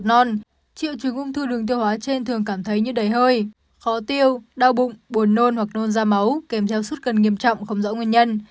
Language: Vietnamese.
tuy nhiên triệu chứng ung thư đường tiêu hóa trên thường cảm thấy như đầy hơi khó tiêu đau bụng buồn nôn hoặc nôn da máu kèm giao suất cần nghiêm trọng không rõ nguyên nhân